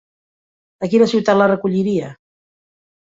A quina ciutat la recolliria?